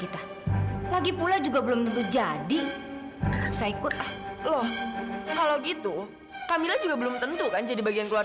sampai jumpa di video selanjutnya